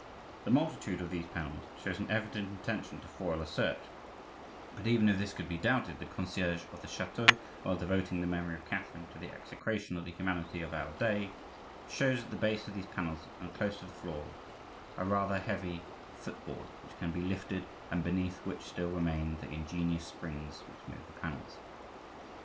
The multitude of these panels shows an evident intention to foil a search; but even if this could be doubted, the concierge of the chateau, while devoting the memory of Catherine to the execration of the humanity of our day, shows at the base of these panels and close to the floor a rather heavy foot board, which can be lifted, and beneath which still remain the ingenious springs which move the panels.